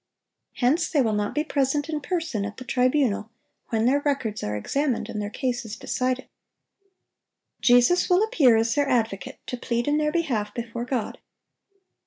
Hence they will not be present in person at the tribunal when their records are examined and their cases decided. Jesus will appear as their advocate, to plead in their behalf before God.